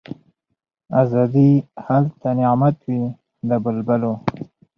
آزادي هلته نعمت وي د بلبلو